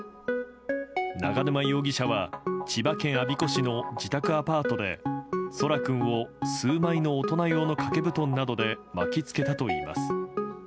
永沼容疑者は千葉県我孫子市の自宅アパートで奏良君を数枚の大人用の掛け布団などで巻きつけたといいます。